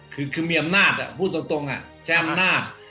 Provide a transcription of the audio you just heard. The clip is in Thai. คือมีอำนาจพูดตรงใช้อำนาจ